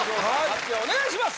発表お願いします